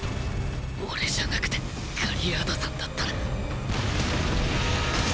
オレじゃなくてガリアードさんだったら。